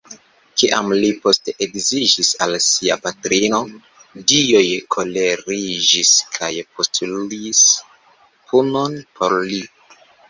Kiam li poste edziĝis al sia patrino, dioj koleriĝis kaj postulis punon por li.